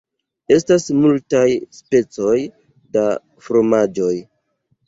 Estas multaj specoj da fromaĝoj.